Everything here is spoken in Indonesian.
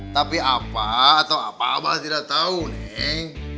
tapi apa atau apa abah tidak tau neng